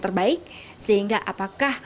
terbaik sehingga apakah